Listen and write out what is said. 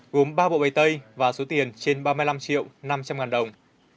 gồm ba bộ bày tay và số tiền trên ba mươi năm triệu năm trăm linh ngàn đồng